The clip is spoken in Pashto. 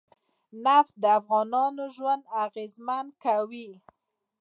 نفت د افغانانو ژوند اغېزمن کوي.